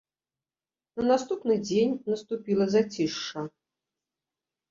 На наступны дзень наступіла зацішша.